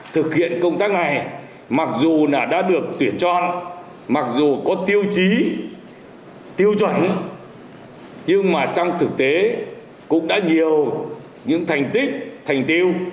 thực hiện công tác này mặc dù đã được tuyển chọn mặc dù có tiêu chí tiêu chuẩn nhưng mà trong thực tế cũng đã nhiều những thành tích thành tiêu